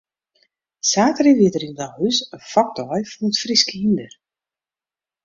Saterdei wie der yn Blauhûs in fokdei fan it Fryske hynder.